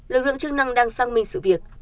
lực lượng chức năng đang xăng minh sự việc